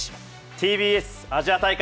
ＴＢＳアジア大会